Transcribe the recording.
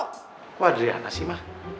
kok adriana sih ma